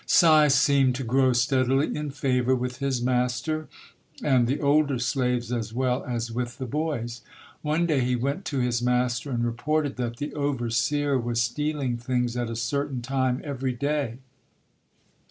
Si seemed to grow steadily in favor with his master and the older slaves as well as with the boys. One day he went to his master and reported that the overseer was stealing things at a certain time every day.